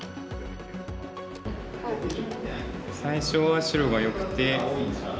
最初は白がよくて。